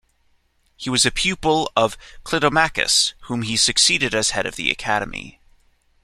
He was a pupil of Clitomachus, whom he succeeded as head of the Academy.